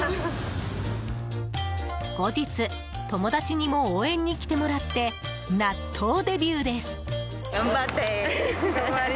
後日、友達にも応援に来てもらって納豆デビューです。